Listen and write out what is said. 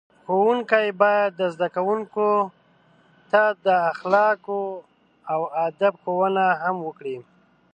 ښوونکي باید زده کوونکو ته د اخلاقو او ادب ښوونه هم وکړي.